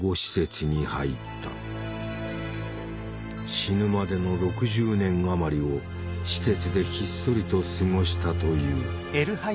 死ぬまでの６０年余りを施設でひっそりと過ごしたという。